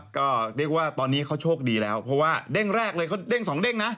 ก็เรียกว่าตอนนี้เขาโชคดีแล้วเพราะว่าเด้งแรกเลยเขาเด้งสองเด้งนะ